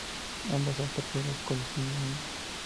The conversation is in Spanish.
Ambos han perdido las columnillas.